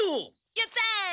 やった！